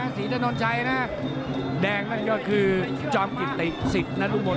ฝนหลวงสัตว์สัตว์สีถนนชัยนะแดงนั่นก็คือจอมกิตติสิทธิ์นัดรุบน